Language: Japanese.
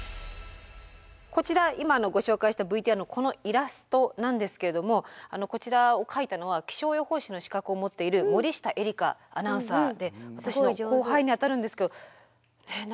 こちら今ご紹介したＶＴＲのこのイラストなんですけれどもこちらを描いたのは気象予報士の資格を持っている森下絵理香アナウンサーで私の後輩にあたるんですけどねえ